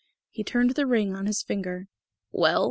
He turned the ring on his finger. "Well?"